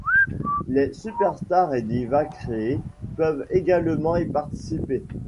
Les superstars et divas créées peuvent également y participer.